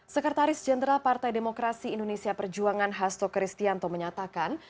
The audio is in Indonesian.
sekretaris jenderal partai demokrasi indonesia perjuangan hasto kristianto menyatakan